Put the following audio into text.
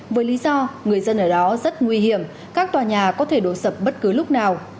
với lý do người dân ở đó rất nguy hiểm các tòa nhà có thể đổ sập bất cứ lúc nào